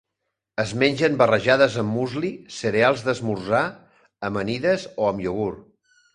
Es mengen barrejades amb musli, cereals d'esmorzar, amanides o amb iogurt.